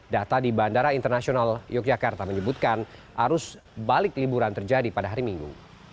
data di bandara internasional yogyakarta menyebutkan arus balik liburan terjadi pada hari minggu